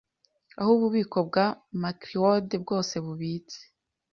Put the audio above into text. aho ububiko bwa Macleod bwose bubitse